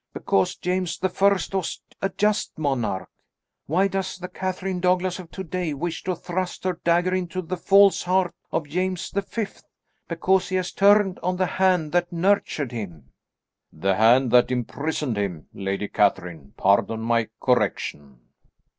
Because James the First was a just monarch. Why does the Catherine Douglas of to day wish to thrust her dagger into the false heart of James the Fifth? Because he has turned on the hand that nurtured him " "The hand that imprisoned him, Lady Catherine. Pardon my correction."